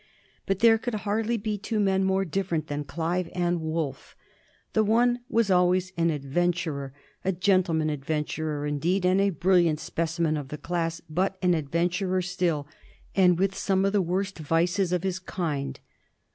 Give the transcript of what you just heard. But there could hardly be two men more different than Clive and Wolfe. The one was always an adventurer — a gentleman advent urer, indeed, and a brilliant specimen of the class, but an adventurer still, and with some of the worst vices of his kind.